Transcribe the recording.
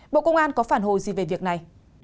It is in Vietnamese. bộ công an có phản hồi gì về việc này